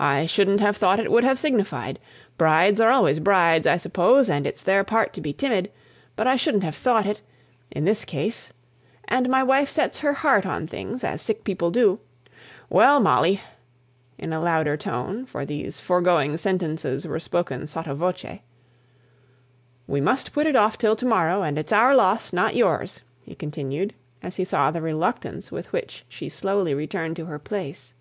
"I shouldn't have thought it would have signified. Brides are always brides, I suppose; and it's their part to be timid; but I shouldn't have thought it in this case. And my wife sets her heart on things, as sick people do. Well, Molly" (in a louder tone, for these foregoing sentences were spoken sotto voce), "we must put it off till to morrow: and it's our loss, not yours," he continued, as he saw the reluctance with which she slowly returned to her place.